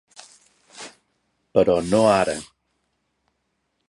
Però no ara.